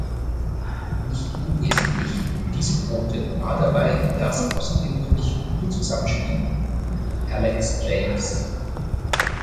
Nicht unwesentlich für diese Quote war dabei das außergewöhnlich gute Zusammenspiel mit Alex James.